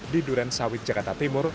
di duren sawit jakarta timur